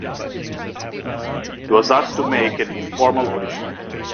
He was asked to make an informal audition.